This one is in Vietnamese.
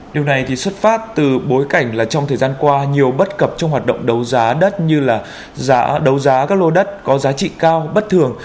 điều này thì xuất phát từ bối cảnh là trong thời gian qua nhiều bất cập trong hoạt động đấu giá đất như là đấu giá các lô đất có giá trị cao bất thường